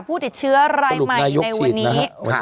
ผู้ติดเชื้อรายใหม่ในวันนี้